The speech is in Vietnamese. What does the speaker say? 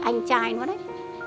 anh trai nữa đấy